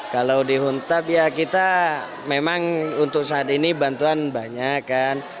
kalau di huntap ya kita memang untuk saat ini bantuan banyak kan